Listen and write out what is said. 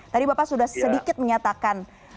tadi bapak sudah sedikit menyatakan